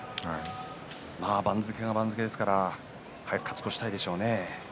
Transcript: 番付が番付ですから早く勝ち越したいでしょうね。